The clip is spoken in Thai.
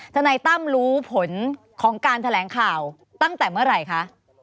ทนายตั้มรู้ผลของการแถลงข่าวตั้งแต่เมื่อไหร่คะ